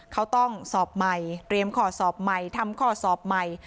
เขาต้องสอบใหม่เตรียมขอสอบใหม่ทำข้อสอบใหม่